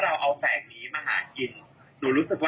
แล้วก็ตัวหนูเองหนูไม่อยากได้แสงอะไรแล้ว